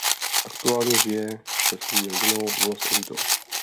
Aktuálně žije se svojí rodinou v Los Angeles.